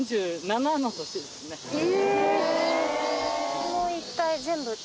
え！